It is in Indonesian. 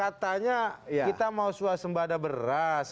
katanya kita mau suasembada beras